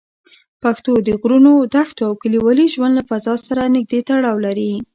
پښتو د غرونو، دښتو او کلیوالي ژوند له فضا سره نږدې تړاو لري.